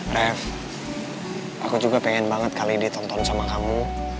rev aku juga pengen banget kali ini tonton sama kamu